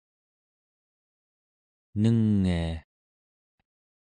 nengia